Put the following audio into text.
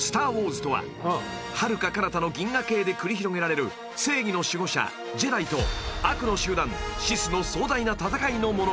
［はるかかなたの銀河系で繰り広げられる正義の守護者ジェダイと悪の集団シスの壮大な戦いの物語］